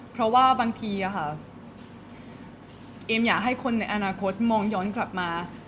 เพราะว่าบางทีเอมอยากให้คนในอนาคตมองย้อนกลับมา